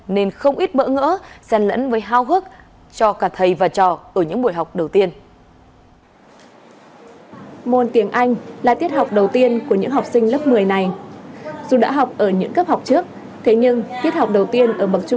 nên không ít bỡ ngỡ sen lẫn với hao hức cho cả thầy và trò ở những buổi học đầu tiên